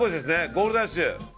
ゴールドラッシュ。